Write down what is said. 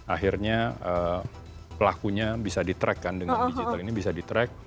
akhirnya pelakunya bisa di track kan dengan digital ini bisa di track